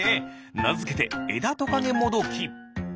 なづけてエダトカゲモドキ。